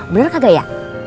bener gak ya